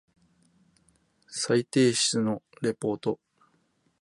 再提出のリポート